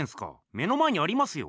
目の前にありますよ。